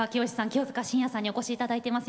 清塚信也さんにお越しいただいてます。